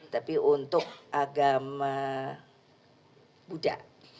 tapi untuk agama budha